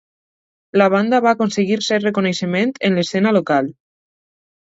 La banda va aconseguir cert reconeixement en l'escena local.